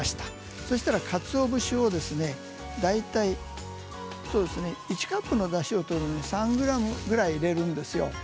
そうしたら、かつお節と大体１カップのだしを取るのに３ｇぐらい入れるんですよ。